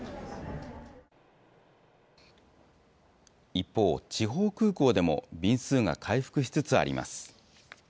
一方、地方空港でも便数が回復しつつあります。